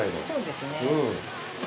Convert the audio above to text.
そうですね。